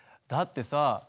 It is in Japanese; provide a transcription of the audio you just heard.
だってさ。